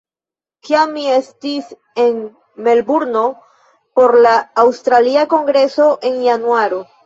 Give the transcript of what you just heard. Kiam mi estis en Melburno por la aŭstralia kongreso en Januaro